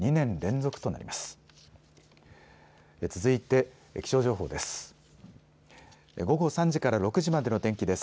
続いて気象情報です。